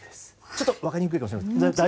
ちょっと分かりにくいかもしれません。